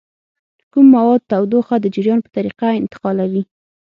کوم مواد تودوخه د جریان په طریقه انتقالوي؟